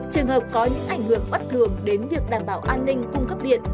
trường hợp có những ảnh hưởng bất thường đến việc đảm bảo an ninh cung cấp điện